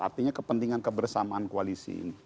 artinya kepentingan kebersamaan koalisi